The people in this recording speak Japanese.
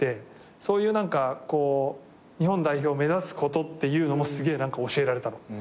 そういう何かこう日本代表目指すことっていうのもすげえ教えられたの。